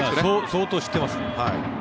相当知ってます。